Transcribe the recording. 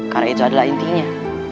karena itu adalah intinya